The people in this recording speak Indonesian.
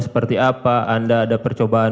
seperti apa anda ada percobaan